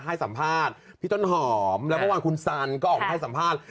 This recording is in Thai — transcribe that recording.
ให้สัมภาษณ์พี่ต้นหอมแล้วเมื่อวานคุณสันก็ออกมาให้สัมภาษณ์